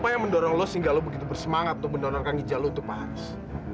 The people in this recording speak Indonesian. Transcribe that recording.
yang mendorong lo sehingga lo begitu bersemangat untuk mendorongkan ginjal lo untuk pak haris